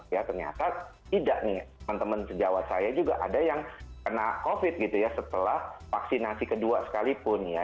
ya ternyata tidak nih teman teman sejawat saya juga ada yang kena covid gitu ya setelah vaksinasi kedua sekalipun ya